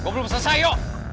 gue belum selesai yo